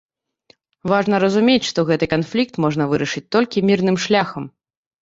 Важна разумець, што гэты канфлікт можна вырашыць толькі мірным шляхам.